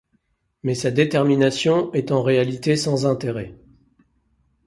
Mais sa détermination est en réalité sans intérêt.